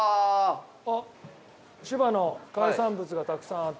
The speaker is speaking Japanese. あっ千葉の海産物がたくさんあって。